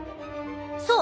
そう！